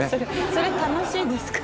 それ楽しいですか？